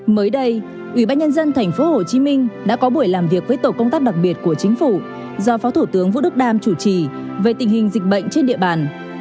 mới đây ubnd tp hcm đã có buổi làm việc với tổ công tác đặc biệt của chính phủ do phó thủ tướng vũ đức đam chủ trì về tình hình dịch bệnh trên địa bàn